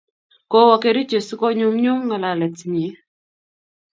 kowo kericho si ko nyumnyum ng'alalet nyi